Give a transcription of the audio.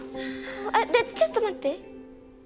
あっちょっと待って。